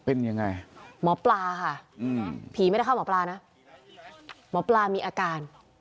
เป็นยังไงหมอปลาค่ะผีไม่ได้เข้าหมอปลานะหมอปลามีอาการ